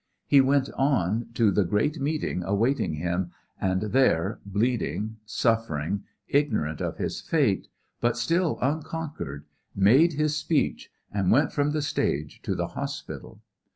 He went on to the great meeting awaiting him and there, bleeding, suffering, ignorant of his fate, but still unconquered, made his speech and went from the stage to the hospital.